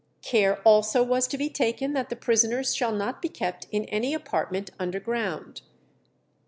"Care also was to be taken that the prisoners shall not be kept in any apartment underground."